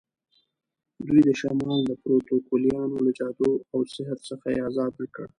دوی د شمال د پروتوکولیانو له جادو او سحر څخه یې آزاد نه کړ.